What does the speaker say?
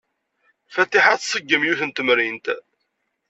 Fatiḥa tṣeggem yiwet n temrint.